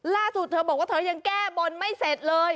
เธอบอกว่าเธอยังแก้บนไม่เสร็จเลย